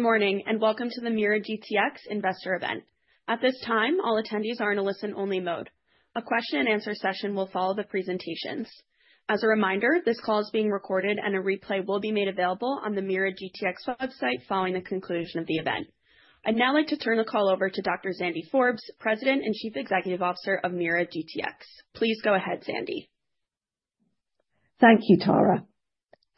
Good morning, and welcome to the MeiraGTx Investor Event. At this time, all attendees are in a listen-only mode. A question-and-answer session will follow the presentations. As a reminder, this call is being recorded, and a replay will be made available on the MeiraGTx website following the conclusion of the event. I'd now like to turn the call over to Dr. Zandi Forbes, President and Chief Executive Officer of MeiraGTx. Please go ahead, Zandi. Thank you, Tara.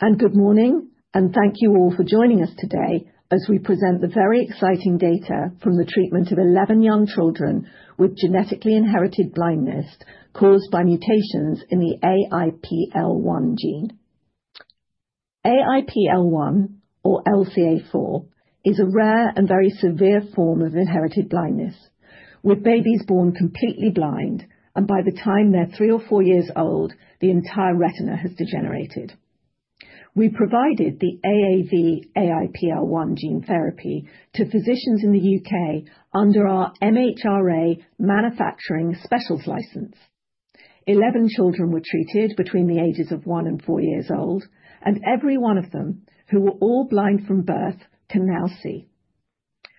And good morning, and thank you all for joining us today as we present the very exciting data from the treatment of 11 young children with genetically inherited blindness caused by mutations in the AIPL1 gene. AIPL1, or LCA4, is a rare and very severe form of inherited blindness, with babies born completely blind, and by the time they're three or four years old, the entire retina has degenerated. We provided the AAV-AIPL1 gene therapy to physicians in the UK under our MHRA manufacturing 'Specials' license. 11 children were treated between the ages of one and four years old, and every one of them, who were all blind from birth, can now see.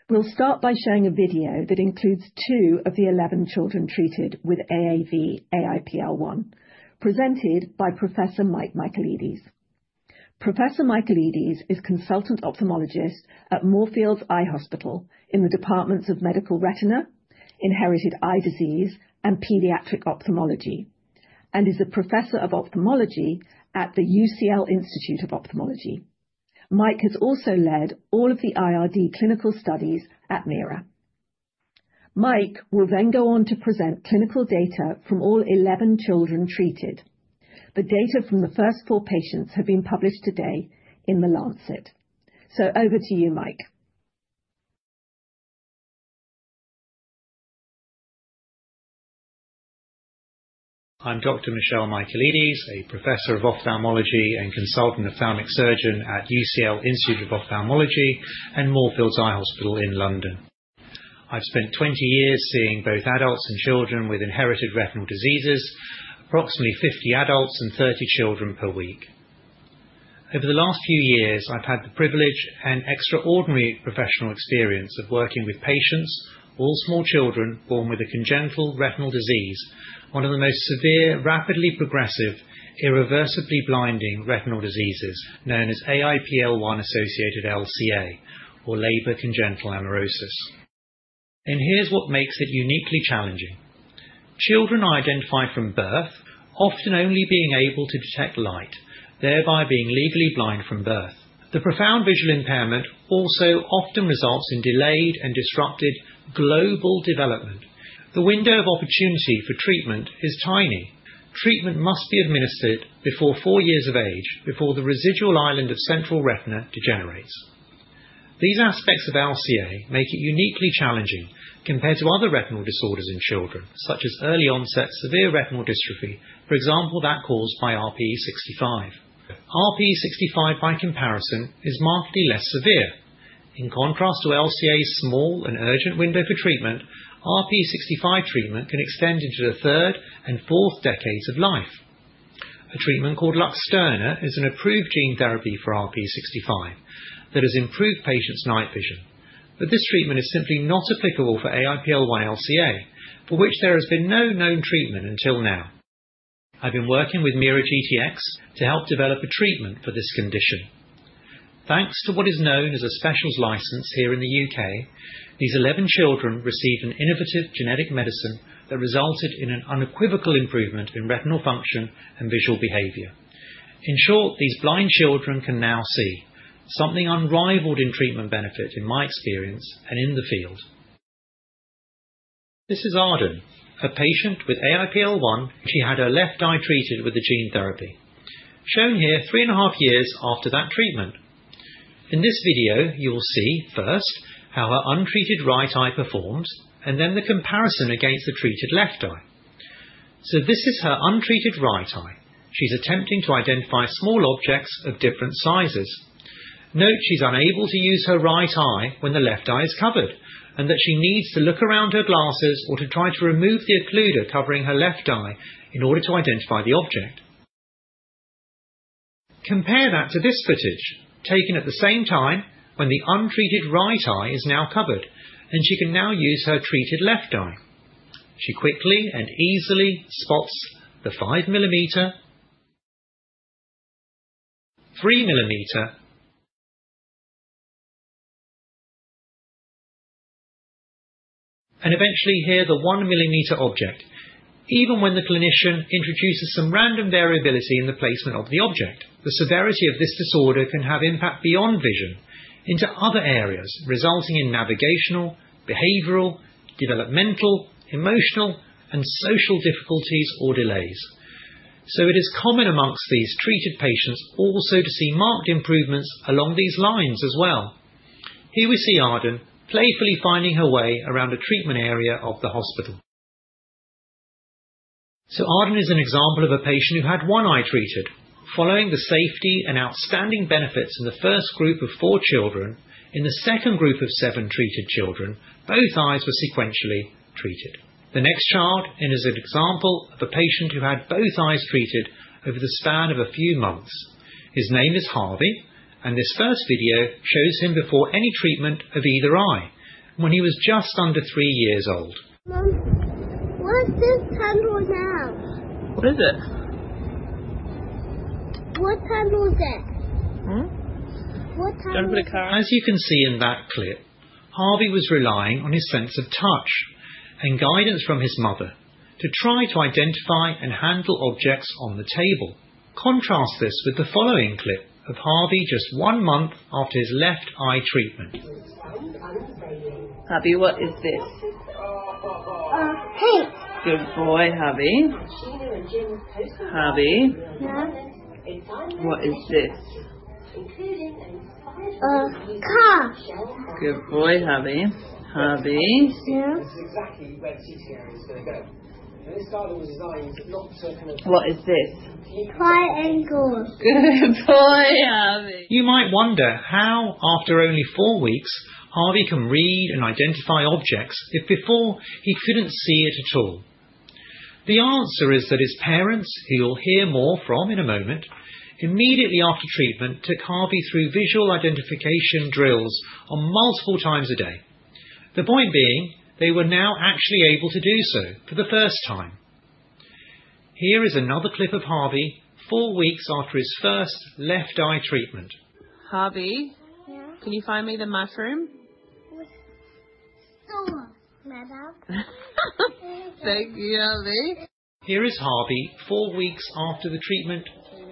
We'll start by showing a video that includes two of the 11 children treated with AAV-AIPL1, presented by Professor Mike Michaelides. Professor Michaelides is Consultant Ophthalmologist at Moorfields Eye Hospital in the Departments of Medical Retina, Inherited Eye Disease, and Pediatric Ophthalmology, and is a Professor of Ophthalmology at the UCL Institute of Ophthalmology. Mike has also led all of the IRD clinical studies at MeiraGTx. Mike will then go on to present clinical data from all 11 children treated. The data from the first four patients have been published today in The Lancet. Over to you, Mike. I'm Dr. Michel Michaelides, a Professor of Ophthalmology and Consultant Ophthalmic Surgeon at UCL Institute of Ophthalmology and Moorfields Eye Hospital in London. I've spent 20 years seeing both adults and children with inherited retinal diseases, approximately 50 adults and 30 children per week. Over the last few years, I've had the privilege and extraordinary professional experience of working with patients, all small children born with a congenital retinal disease, one of the most severe, rapidly progressive, irreversibly blinding retinal diseases known as AIPL1-associated LCA, or Leber Congenital Amaurosis, and here's what makes it uniquely challenging: children identified from birth often only being able to detect light, thereby being legally blind from birth. The profound visual impairment also often results in delayed and disrupted global development. The window of opportunity for treatment is tiny. Treatment must be administered before four years of age, before the residual island of central retina degenerates. These aspects of LCA make it uniquely challenging compared to other retinal disorders in children, such as early-onset severe retinal dystrophy, for example, that caused by RPE65. RPE65, by comparison, is markedly less severe. In contrast to LCA's small and urgent window for treatment, RPE65 treatment can extend into the third and fourth decades of life. A treatment called Luxterna is an approved gene therapy for RPE65 that has improved patients' night vision, but this treatment is simply not applicable for AIPL1 LCA, for which there has been no known treatment until now. I've been working with MeiraGTx to help develop a treatment for this condition. Thanks to what is known as a Specialist License here in the U.K., these 11 children received an innovative genetic medicine that resulted in an unequivocal improvement in retinal function and visual behavior. In short, these blind children can now see, something unrivaled in treatment benefit, in my experience and in the field. This is Arden, a patient with AIPL1. She had her left eye treated with the gene therapy, shown here three and a half years after that treatment. In this video, you'll see first how her untreated right eye performed, and then the comparison against the treated left eye. So, this is her untreated right eye. She's attempting to identify small objects of different sizes. Note she's unable to use her right eye when the left eye is covered, and that she needs to look around her glasses or to try to remove the occluder covering her left eye in order to identify the object. Compare that to this footage, taken at the same time when the untreated right eye is now covered, and she can now use her treated left eye. She quickly and easily spots the 5 millimeter, 3 millimeter, and eventually here the 1 millimeter object. Even when the clinician introduces some random variability in the placement of the object, the severity of this disorder can have impact beyond vision into other areas, resulting in navigational, behavioral, developmental, emotional, and social difficulties or delays. So, it is common among these treated patients also to see marked improvements along these lines as well. Here we see Arden playfully finding her way around a treatment area of the hospital. So, Arden is an example of a patient who had one eye treated. Following the safety and outstanding benefits in the first group of four children, in the second group of seven treated children, both eyes were sequentially treated. The next child is an example of a patient who had both eyes treated over the span of a few months. His name is Harvey, and this first video shows him before any treatment of either eye, when he was just under three years old. Mum, what is this tunnel now? What is it? What tunnel is it? What tunnel? Don't put a camera. As you can see in that clip, Harvey was relying on his sense of touch and guidance from his mother to try to identify and handle objects on the table. Contrast this with the following clip of Harvey just one month after his left eye treatment. Harvey, what is this? A heat. Good boy, Harvey. Harvey, what is this? A car. Good boy, Harvey. Harvey. This is exactly where the TTA is going to go, and this garden was designed not to kind of. What is this? Try and go. Good boy, Harvey. You might wonder how, after only four weeks, Harvey can read and identify objects if before he couldn't see it at all. The answer is that his parents, who you'll hear more from in a moment, immediately after treatment took Harvey through visual identification drills multiple times a day. The point being, they were now actually able to do so for the first time. Here is another clip of Harvey four weeks after his first left eye treatment. Harvey, can you find me the mushroom? With sour. Thank you, Harvey. Here is Harvey four weeks after the treatment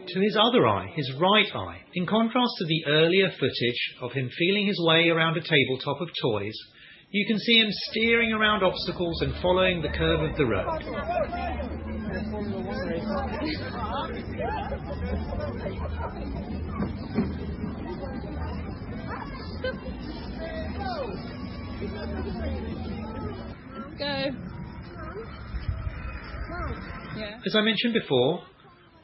to his other eye, his right eye. In contrast to the earlier footage of him feeling his way around a tabletop of toys, you can see him steering around obstacles and following the curve of the road. Let's go. Come on. Come on. As I mentioned before,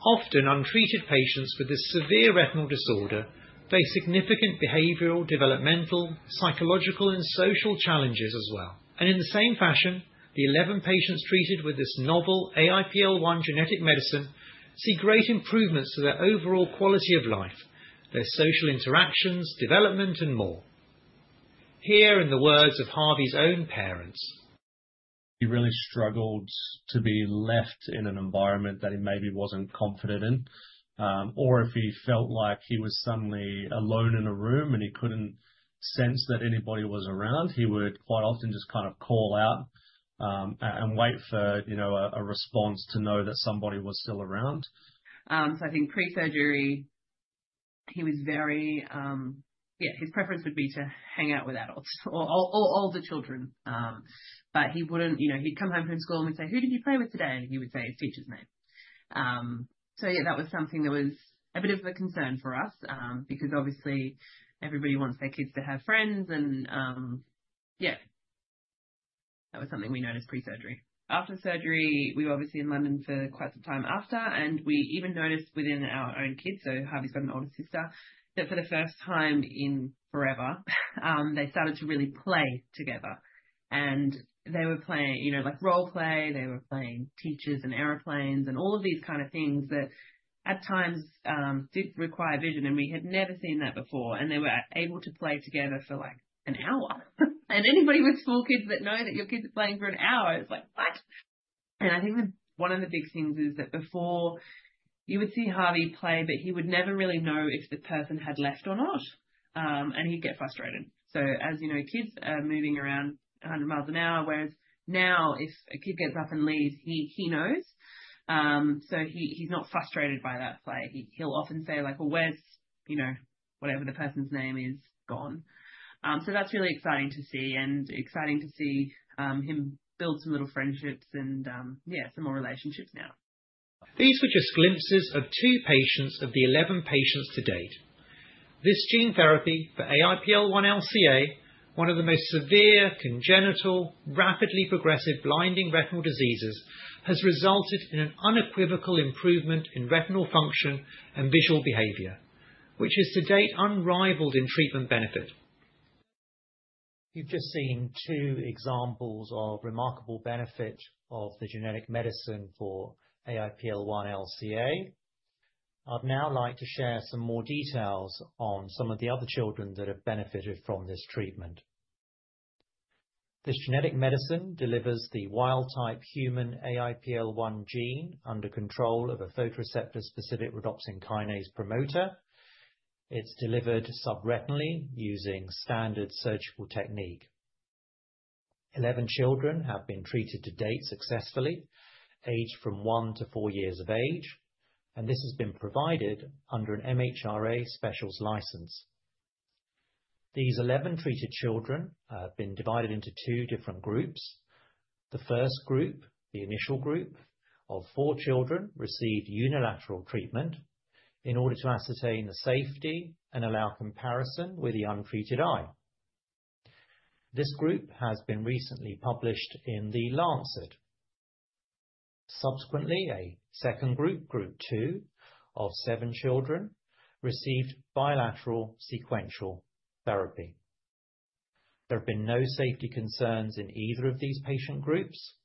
often untreated patients with this severe retinal disorder face significant behavioral, developmental, psychological, and social challenges as well. In the same fashion, the 11 patients treated with this novel AIPL1 genetic medicine see great improvements to their overall quality of life, their social interactions, development, and more. Here in the words of Harvey's own parents. He really struggled to be left in an environment that he maybe wasn't confident in, or if he felt like he was suddenly alone in a room and he couldn't sense that anybody was around, he would quite often just kind of call out and wait for a response to know that somebody was still around. So, I think pre-surgery, he was very, yeah, his preference would be to hang out with adults or older children. But he wouldn't. He'd come home from school and we'd say, "Who did you play with today?" And he would say his teacher's name. So yeah, that was something that was a bit of a concern for us because obviously everybody wants their kids to have friends. And yeah, that was something we noticed pre-surgery. After surgery, we were obviously in London for quite some time after, and we even noticed within our own kids, so Harvey's got an older sister, that for the first time in forever, they started to really play together. And they were playing role play. They were playing teachers and aeroplanes and all of these kind of things that at times did require vision, and we had never seen that before. And they were able to play together for like an hour. And anybody with small kids that know that your kids are playing for an hour is like, "What?" And I think one of the big things is that before you would see Harvey play, but he would never really know if the person had left or not, and he'd get frustrated. So as you know, kids are moving around 100 miles an hour, whereas now if a kid gets up and leaves, he knows. So he's not frustrated by that play. He'll often say, "Well, where's whatever the person's name is gone?" So that's really exciting to see and exciting to see him build some little friendships and yeah, some more relationships now. These were just glimpses of two patients of the 11 patients to date. This gene therapy for AIPL1 LCA, one of the most severe congenital rapidly progressive blinding retinal diseases, has resulted in an unequivocal improvement in retinal function and visual behavior, which is to date unrivaled in treatment benefit. You've just seen two examples of remarkable benefit of the genetic medicine for AIPL1 LCA. I'd now like to share some more details on some of the other children that have benefited from this treatment. This genetic medicine delivers the wild-type human AIPL1 gene under control of a photoreceptor-specific rhodopsin kinase promoter. It's delivered subretinally using standard surgical technique. 11 children have been treated to date successfully, aged from one to four years of age, and this has been provided under an MHRA specialist license. These 11 treated children have been divided into two different groups. The first group, the initial group of four children, received unilateral treatment in order to ascertain the safety and allow comparison with the untreated eye. This group has been recently published in The Lancet. Subsequently, a second group, Group 2 of seven children, received bilateral sequential therapy. There have been no safety concerns in either of these patient groups.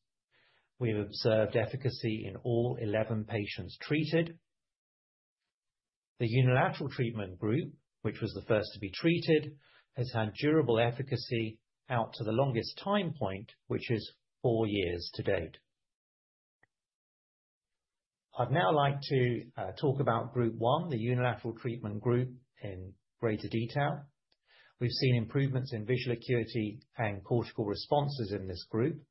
We have observed efficacy in all 11 patients treated. The unilateral treatment group, which was the first to be treated, has had durable efficacy out to the longest time point, which is four years to date. I'd now like to talk about Group 1, the unilateral treatment group, in greater detail. We've seen improvements in visual acuity and cortical responses in this group.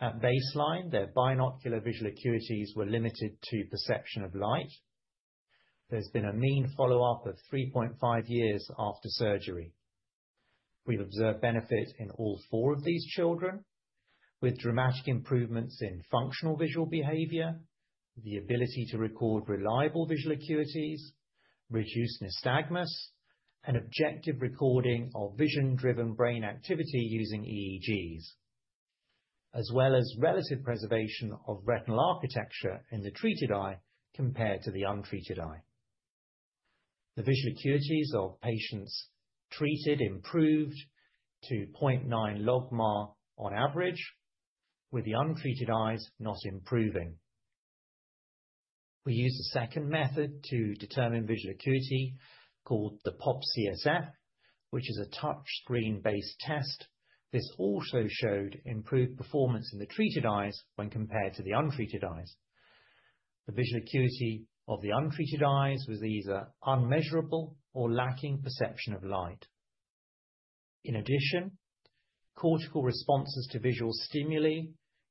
At baseline, their binocular visual acuities were limited to perception of light. There's been a mean follow-up of 3.5 years after surgery. We've observed benefit in all four of these children, with dramatic improvements in functional visual behavior, the ability to record reliable visual acuities, reduced nystagmus, and objective recording of vision-driven brain activity using EEGs, as well as relative preservation of retinal architecture in the treated eye compared to the untreated eye. The visual acuities of patients treated improved to 0.9 LogMAR on average, with the untreated eyes not improving. We used a second method to determine visual acuity called the POPCSF, which is a touchscreen-based test. This also showed improved performance in the treated eyes when compared to the untreated eyes. The visual acuity of the untreated eyes was either unmeasurable or lacking perception of light. In addition, cortical responses to visual stimuli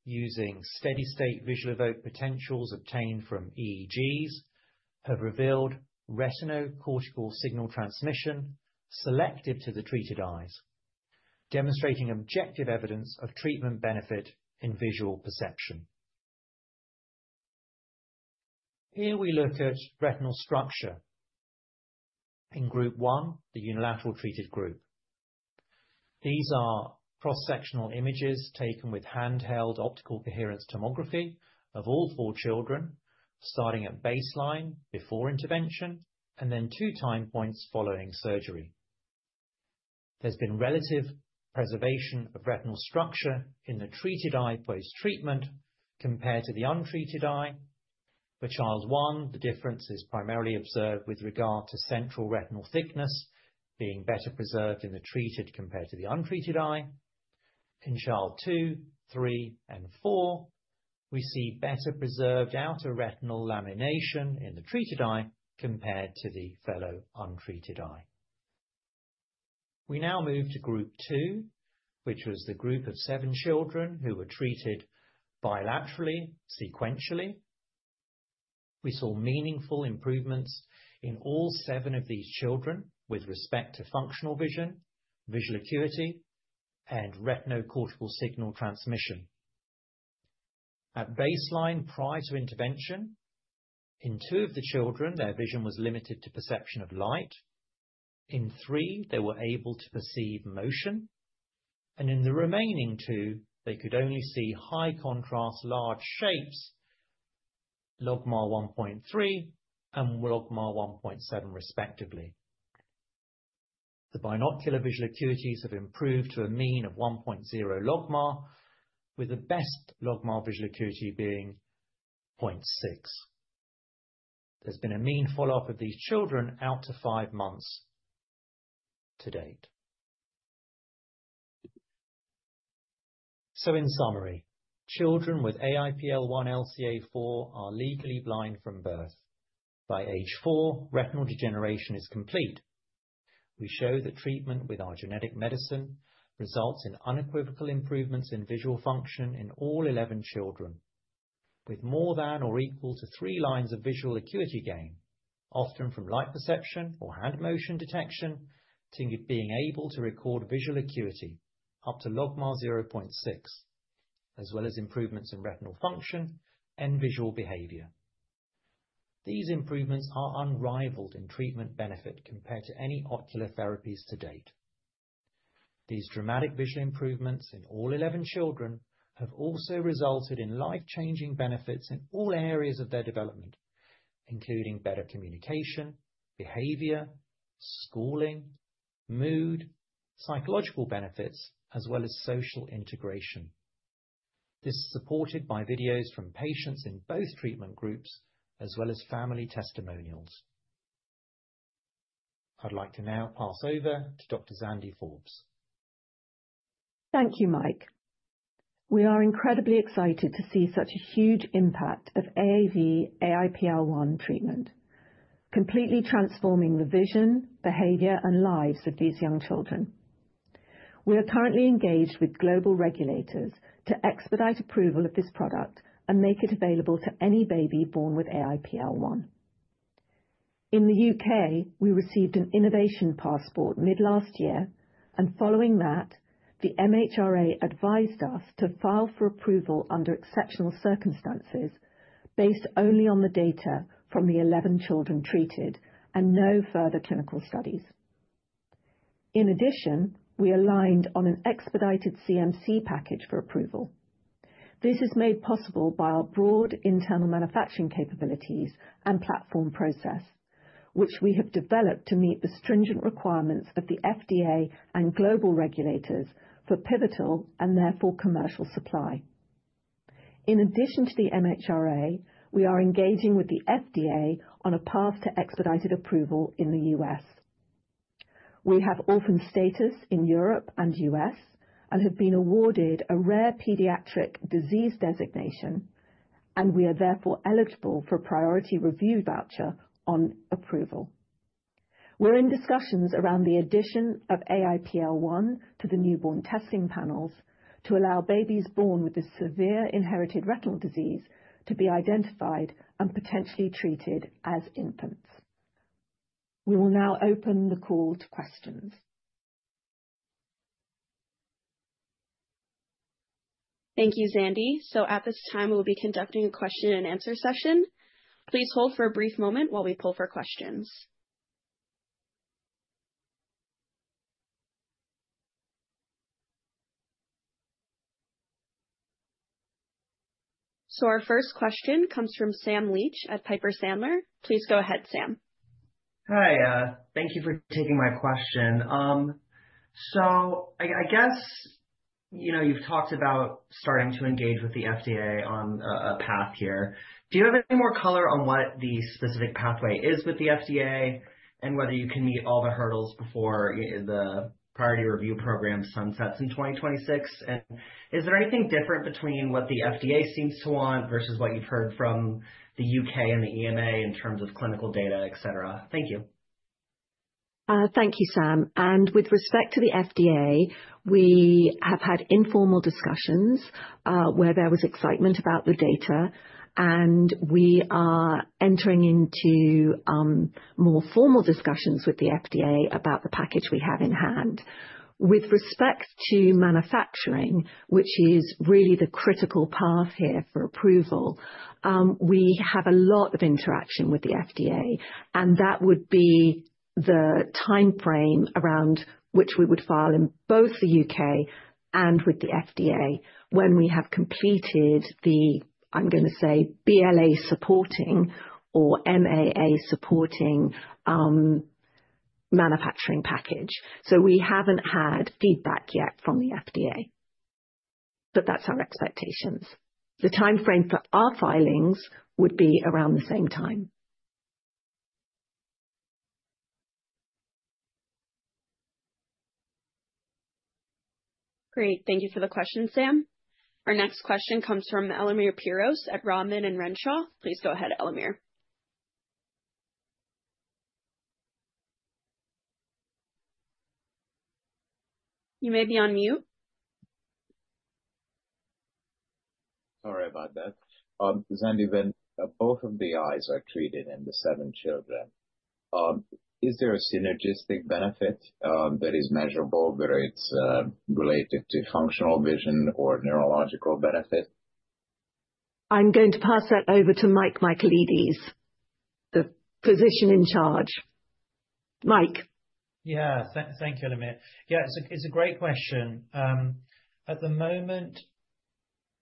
using Steady-State Visual Evoked Potentials obtained from EEGs have revealed retinocortical signal transmission selective to the treated eyes, demonstrating objective evidence of treatment benefit in visual perception. Here we look at retinal structure in Group 1, the unilateral treated group. These are cross-sectional images taken with handheld optical coherence tomography of all four children, starting at baseline before intervention and then two time points following surgery. There's been relative preservation of retinal structure in the treated eye post-treatment compared to the untreated eye. For child one, the difference is primarily observed with regard to central retinal thickness being better preserved in the treated compared to the untreated eye. In child two, three, and four, we see better preserved outer retinal lamination in the treated eye compared to the fellow untreated eye. We now move to Group 2, which was the group of seven children who were treated bilaterally sequentially. We saw meaningful improvements in all seven of these children with respect to functional vision, visual acuity, and retinocortical signal transmission. At baseline prior to intervention, in two of the children, their vision was limited to perception of light. In three, they were able to perceive motion. And in the remaining two, they could only see high-contrast large shapes, LogMAR 1.3 and LogMAR 1.7 respectively. The binocular visual acuities have improved to a mean of 1.0 LogMAR, with the best LogMAR visual acuity being 0.6. There's been a mean follow-up of these children out to five months to date. So in summary, children with AIPL1 LCA 4 are legally blind from birth. By age four, retinal degeneration is complete. We show that treatment with our genetic medicine results in unequivocal improvements in visual function in all 11 children, with more than or equal to three lines of visual acuity gain, often from light perception or hand motion detection, being able to record visual acuity up to LogMAR 0.6, as well as improvements in retinal function and visual behavior. These improvements are unrivaled in treatment benefit compared to any ocular therapies to date. These dramatic visual improvements in all 11 children have also resulted in life-changing benefits in all areas of their development, including better communication, behavior, schooling, mood, psychological benefits, as well as social integration. This is supported by videos from patients in both treatment groups as well as family testimonials. I'd like to now pass over to Dr. Zandi Forbes. Thank you, Mike. We are incredibly excited to see such a huge impact of AAV-AIPL1 treatment, completely transforming the vision, behavior, and lives of these young children. We are currently engaged with global regulators to expedite approval of this product and make it available to any baby born with AIPL1. In the UK, we received an Innovation Passport mid-last year, and following that, the MHRA advised us to file for approval under exceptional circumstances based only on the data from the 11 children treated and no further clinical studies. In addition, we aligned on an expedited CMC package for approval. This is made possible by our broad internal manufacturing capabilities and platform process, which we have developed to meet the stringent requirements of the FDA and global regulators for pivotal and therefore commercial supply. In addition to the MHRA, we are engaging with the FDA on a path to expedited approval in the U.S. We have orphan status in Europe and U.S. and have been awarded a rare pediatric disease designation, and we are therefore eligible for a priority review voucher on approval. We're in discussions around the addition of AIPL1 to the newborn testing panels to allow babies born with a severe inherited retinal disease to be identified and potentially treated as infants. We will now open the call to questions. Thank you, Zandi. So at this time, we'll be conducting a question-and-answer session. Please hold for a brief moment while we pull for questions. So our first question comes from Sam Leach at Piper Sandler. Please go ahead, Sam. Hi. Thank you for taking my question. So I guess you've talked about starting to engage with the FDA on a path here. Do you have any more color on what the specific pathway is with the FDA and whether you can meet all the hurdles before the priority review program sunsets in 2026? And is there anything different between what the FDA seems to want versus what you've heard from the UK and the EMA in terms of clinical data, etc.? Thank you. Thank you, Sam, and with respect to the FDA, we have had informal discussions where there was excitement about the data, and we are entering into more formal discussions with the FDA about the package we have in hand. With respect to manufacturing, which is really the critical path here for approval, we have a lot of interaction with the FDA, and that would be the time frame around which we would file in both the U.K. and with the FDA when we have completed the, I'm going to say, BLA-supporting or MAA-supporting manufacturing package, so we haven't had feedback yet from the FDA, but that's our expectations. The time frame for our filings would be around the same time. Great. Thank you for the question, Sam. Our next question comes from Elemer Piros at Rodman & Renshaw. Please go ahead, Elemer. You may be on mute. Sorry about that. Zandi, both of the eyes are treated in the seven children. Is there a synergistic benefit that is measurable, whether it's related to functional vision or neurological benefit? I'm going to pass that over to Mike Michaelides, the physician in charge. Mike. Yeah. Thank you, Elemer. Yeah, it's a great question. At the moment,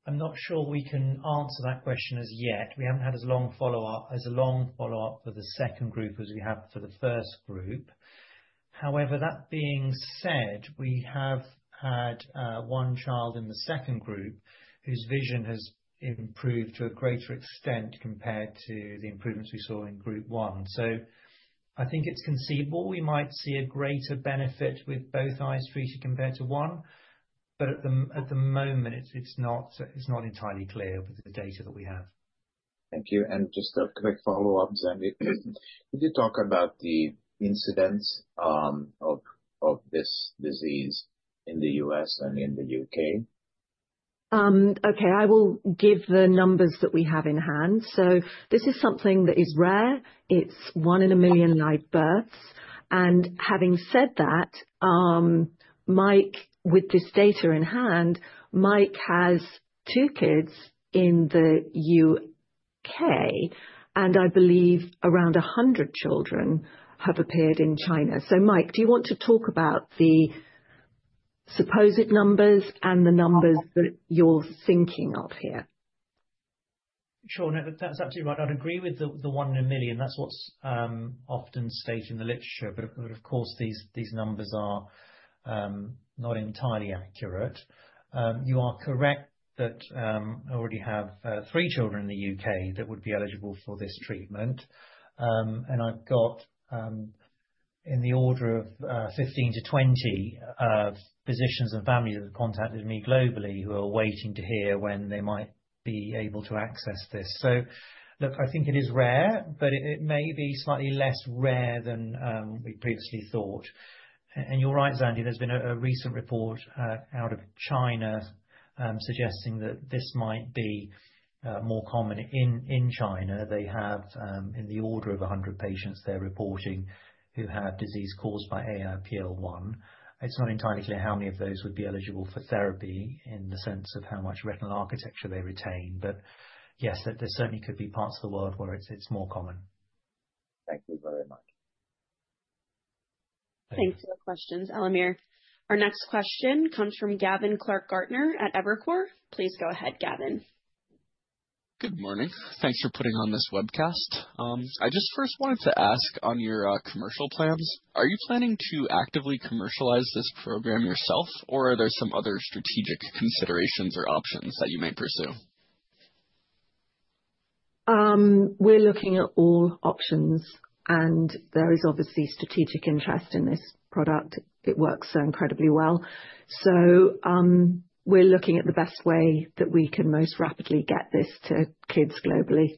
I'm not sure we can answer that question as yet. We haven't had as long a follow-up for the second group as we have for the first group. However, that being said, we have had one child in the second group whose vision has improved to a greater extent compared to the improvements we saw in Group 1. I think it's conceivable we might see a greater benefit with both eyes treated compared to one, but at the moment, it's not entirely clear with the data that we have. Thank you and just a quick follow-up, Zandi. Could you talk about the incidence of this disease in the U.S. and in the U.K.? Okay. I will give the numbers that we have in hand, so this is something that is rare. It's one in a million live births, and having said that, Mike, with this data in hand, Mike has two kids in the U.K., and I believe around 100 children have appeared in China, so Mike, do you want to talk about the supposed numbers and the numbers that you're thinking of here? Sure. No, that's absolutely right. I'd agree with the one in a million. That's what's often stated in the literature, but of course, these numbers are not entirely accurate. You are correct that I already have three children in the UK that would be eligible for this treatment, and I've got in the order of 15 to 20 physicians and families that have contacted me globally who are waiting to hear when they might be able to access this, so look, I think it is rare, but it may be slightly less rare than we previously thought, and you're right, Zandi. There's been a recent report out of China suggesting that this might be more common in China. They have in the order of 100 patients they're reporting who have disease caused by AIPL1. It's not entirely clear how many of those would be eligible for therapy in the sense of how much retinal architecture they retain. But yes, there certainly could be parts of the world where it's more common. Thank you very much. Thanks for the questions, Elemer. Our next question comes from Gavin Clark-Gartner at Evercore. Please go ahead, Gavin. Good morning. Thanks for putting on this webcast. I just first wanted to ask on your commercial plans. Are you planning to actively commercialize this program yourself, or are there some other strategic considerations or options that you may pursue? We're looking at all options, and there is obviously strategic interest in this product. It works so incredibly well. So we're looking at the best way that we can most rapidly get this to kids globally.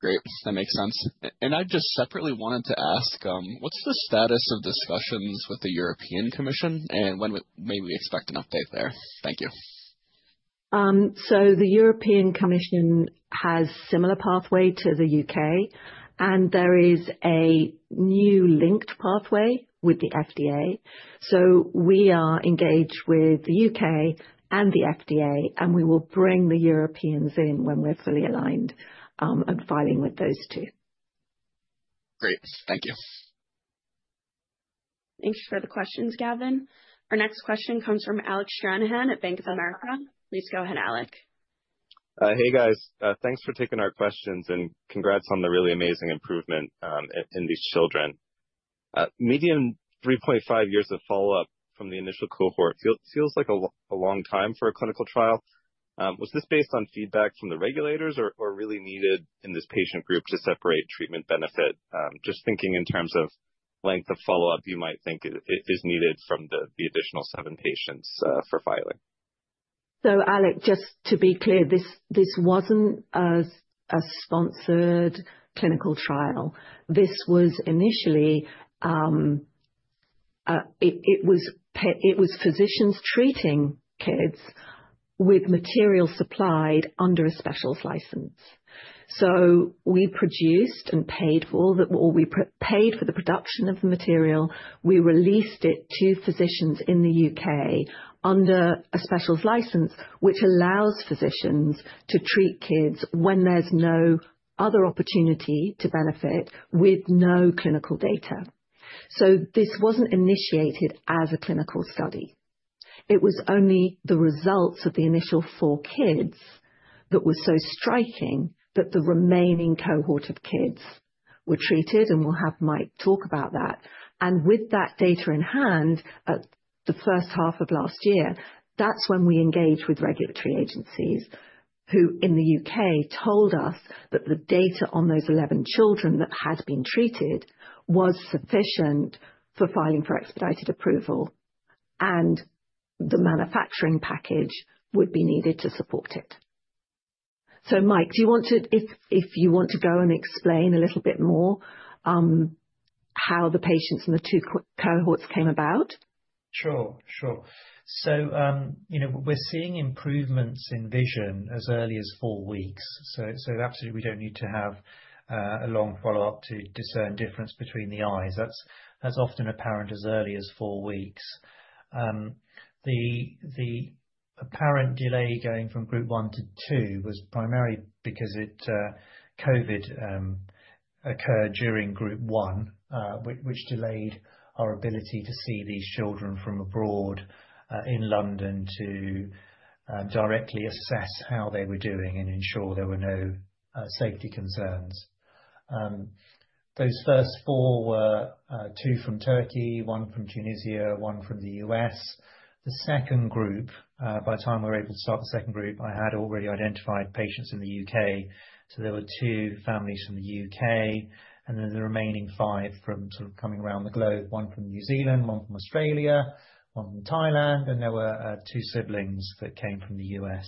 Great. That makes sense. And I just separately wanted to ask, what's the status of discussions with the European Commission, and when may we expect an update there? Thank you. The European Commission has a similar pathway to the UK, and there is a new linked pathway with the FDA. We are engaged with the UK and the FDA, and we will bring the Europeans in when we're fully aligned and filing with those two. Great. Thank you. Thank you for the questions, Gavin. Our next question comes from Alec Stranahan at Bank of America. Please go ahead, Alex. Hey, guys. Thanks for taking our questions, and congrats on the really amazing improvement in these children. Median 3.5 years of follow-up from the initial cohort feels like a long time for a clinical trial. Was this based on feedback from the regulators or really needed in this patient group to separate treatment benefit? Just thinking in terms of length of follow-up, you might think it is needed from the additional seven patients for filing. So Alex, just to be clear, this wasn't a sponsored clinical trial. It was physicians treating kids with material supplied under a specialist license. So we produced and paid for the production of the material. We released it to physicians in the UK under a specialist license, which allows physicians to treat kids when there's no other opportunity to benefit with no clinical data. So this wasn't initiated as a clinical study. It was only the results of the initial four kids that were so striking that the remaining cohort of kids were treated, and we'll have Mike talk about that. And with that data in hand the first half of last year, that's when we engaged with regulatory agencies who in the U.K. told us that the data on those 11 children that had been treated was sufficient for filing for expedited approval, and the manufacturing package would be needed to support it. So Mike, do you want to, if you want to go and explain a little bit more how the patients and the two cohorts came about? Sure. Sure. So we're seeing improvements in vision as early as four weeks. So absolutely, we don't need to have a long follow-up to discern difference between the eyes. That's often apparent as early as four weeks. The apparent delay going from Group 1 to 2 was primarily because COVID occurred during Group 1, which delayed our ability to see these children from abroad in London to directly assess how they were doing and ensure there were no safety concerns. Those first four were two from Turkey, one from Tunisia, one from the U.S. The second group, by the time we were able to start the second group, I had already identified patients in the UK. So there were two families from the U.K., and then the remaining five from sort of coming around the globe, one from New Zealand, one from Australia, one from Thailand, and there were two siblings that came from the U.S.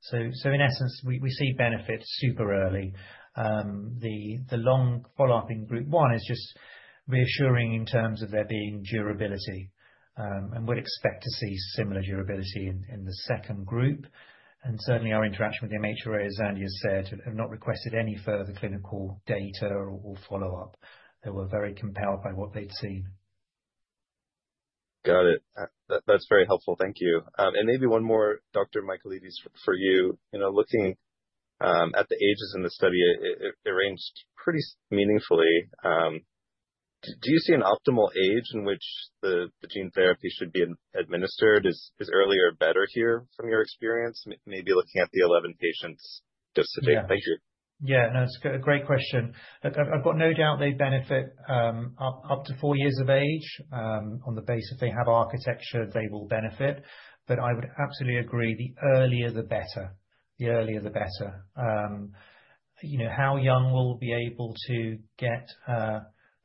So in essence, we see benefit super early. The long follow-up in Group 1 is just reassuring in terms of there being durability. And we'd expect to see similar durability in the second group. And certainly, our interaction with the MHRA, as Zandi has said, have not requested any further clinical data or follow-up. They were very compelled by what they'd seen. Got it. That's very helpful. Thank you. And maybe one more, Dr. Michaelides, for you. Looking at the ages in the study, it ranged pretty meaningfully. Do you see an optimal age in which the gene therapy should be administered? Is earlier better here from your experience, maybe looking at the 11 patients just today? Thank you. Yeah. No, it's a great question. I've got no doubt they benefit up to four years of age on the basis if they have architecture, they will benefit. But I would absolutely agree the earlier the better. The earlier the better. How young will we be able to get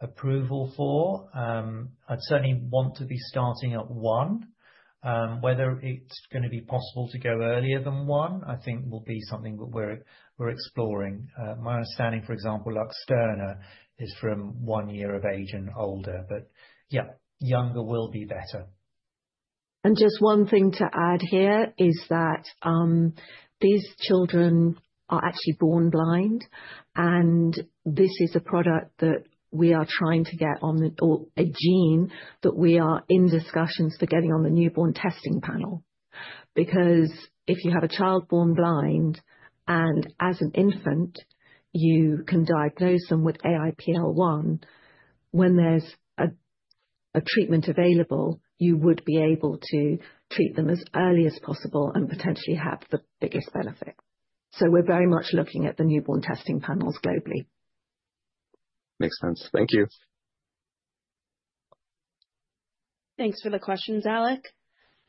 approval for? I'd certainly want to be starting at one. Whether it's going to be possible to go earlier than one, I think will be something that we're exploring. My understanding, for example, Luxterna is from one year of age and older. But yeah, younger will be better. And just one thing to add here is that these children are actually born blind, and this is a product that we are trying to get on a gene that we are in discussions for getting on the newborn testing panel. Because if you have a child born blind, and as an infant, you can diagnose them with AIPL1, when there's a treatment available, you would be able to treat them as early as possible and potentially have the biggest benefit. So we're very much looking at the newborn testing panels globally. Makes sense. Thank you. Thanks for the questions, Alex.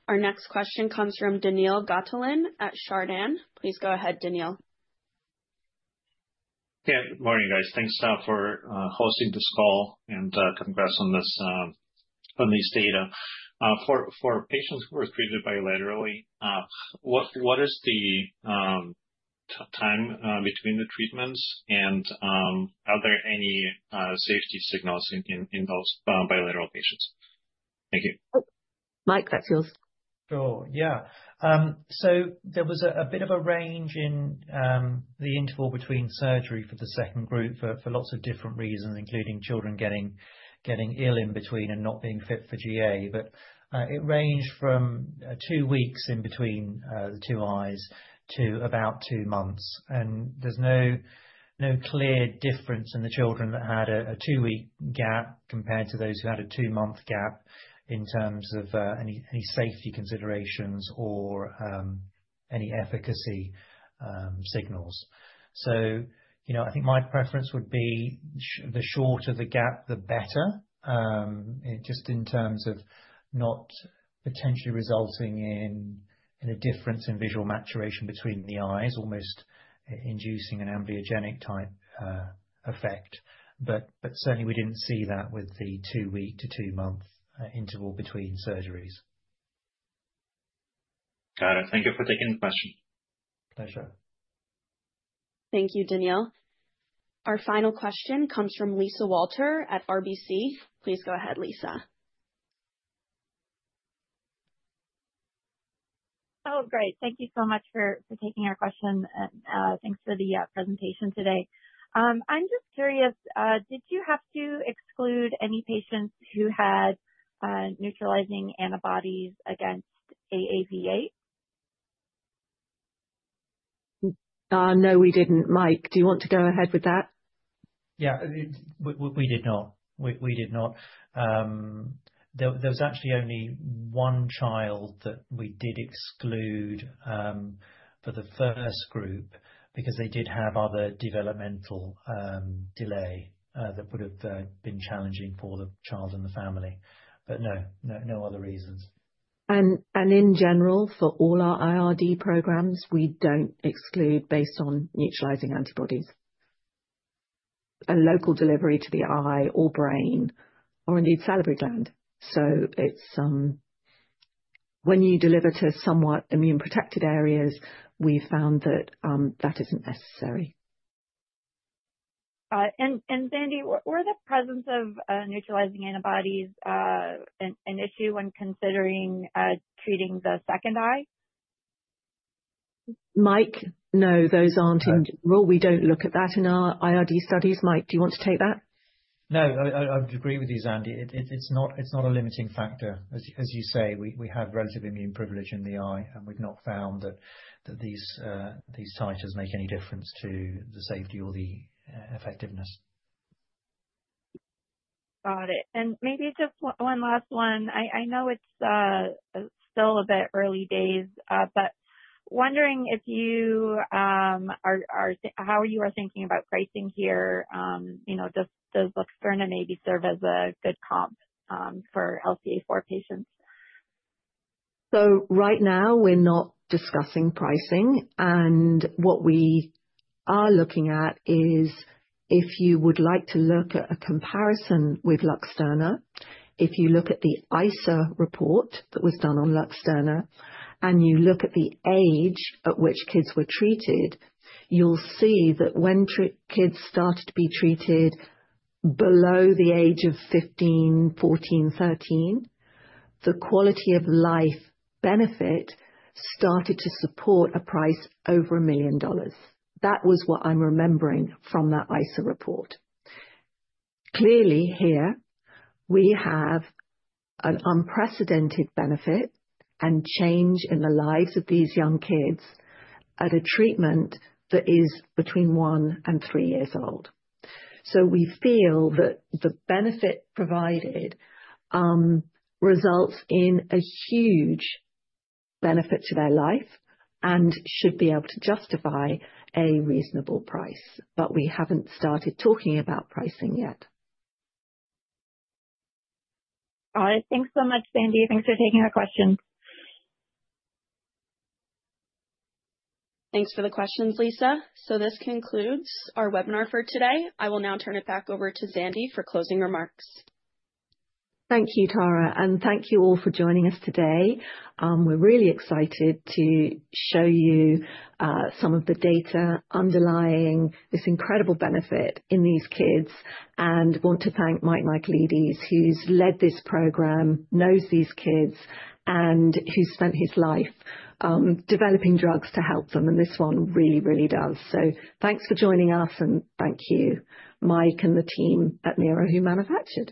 Our next question comes from Daniil Gataulin at Chardan. Please go ahead, Daniil. Yeah. Good morning, guys. Thanks for hosting this call and congrats on these data. For patients who are treated bilaterally, what is the time between the treatments, and are there any safety signals in those bilateral patients? Thank you. Mike, that's yours. Sure. Yeah. So there was a bit of a range in the interval between surgery for the second group for lots of different reasons, including children getting ill in between and not being fit for GA. But it ranged from two weeks in between the two eyes to about two months. And there's no clear difference in the children that had a two-week gap compared to those who had a two-month gap in terms of any safety considerations or any efficacy signals. So I think my preference would be the shorter the gap, the better, just in terms of not potentially resulting in a difference in visual maturation between the eyes, almost inducing an amblyogenic type effect. But certainly, we didn't see that with the two-week to two-month interval between surgeries. Got it. Thank you for taking the question. Pleasure. Thank you, Daniil. Our final question comes from Lisa Walter at RBC. Please go ahead, Lisa. Oh, great. Thank you so much for taking our question, and thanks for the presentation today. I'm just curious, did you have to exclude any patients who had neutralizing antibodies against AAV? No, we didn't. Mike, do you want to go ahead with that? Yeah. We did not. We did not. There was actually only one child that we did exclude for the first group because they did have other developmental delay that would have been challenging for the child and the family. But no, no other reasons. In general, for all our IRD programs, we don't exclude based on neutralizing antibodies. A local delivery to the eye or brain or indeed salivary gland. When you deliver to somewhat immune-protected areas, we've found that that isn't necessary. Zandi, were the presence of neutralizing antibodies an issue when considering treating the second eye? Mike, no, those aren't in general. We don't look at that in our IRD studies. Mike, do you want to take that? No, I would agree with you, Zandi. It's not a limiting factor. As you say, we have relative immune privilege in the eye, and we've not found that these titers make any difference to the safety or the effectiveness. Got it. And maybe just one last one. I know it's still a bit early days, but wondering how you are thinking about pricing here. Does Luxterna maybe serve as a good comp for LCA4 patients? So right now, we're not discussing pricing. And what we are looking at is if you would like to look at a comparison with Luxterna, if you look at the ICER report that was done on Luxterna, and you look at the age at which kids were treated, you'll see that when kids started to be treated below the age of 15, 14, 13, the quality of life benefit started to support a price over $1 million. That was what I'm remembering from that ICER report. Clearly, here, we have an unprecedented benefit and change in the lives of these young kids at a treatment that is between one and three years old. So we feel that the benefit provided results in a huge benefit to their life and should be able to justify a reasonable price. But we haven't started talking about pricing yet. All right. Thanks so much, Zandi. Thanks for taking our questions. Thanks for the questions, Lisa. So this concludes our webinar for today. I will now turn it back over to Zandi for closing remarks. Thank you, Tara, and thank you all for joining us today. We're really excited to show you some of the data underlying this incredible benefit in these kids and want to thank Mike Michaelides, who's led this program, knows these kids, and who's spent his life developing drugs to help them, and this one really, really does, so thanks for joining us, and thank you, Mike, and the team at MeiraGTx.